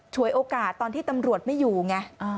ฉวยโอกาสตอนที่ตำรวจไม่อยู่ไง